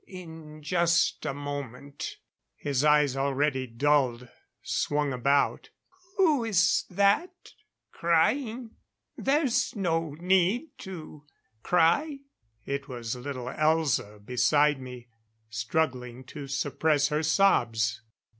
In just a moment...." His eyes, already dulled, swung about. "Who is that crying? There's no need to cry." It was little Elza beside me, struggling to suppress her sobs.